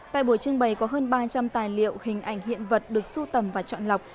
tại buổi trưng bày có hơn ba trăm linh tài liệu hình ảnh hiện vật được sưu tầm và chọn lọc